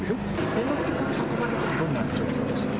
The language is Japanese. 猿之助さんが運ばれるときどんな状況でしたか？